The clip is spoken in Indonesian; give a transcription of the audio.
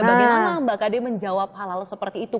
bagaimana mbak kd menjawab hal hal seperti itu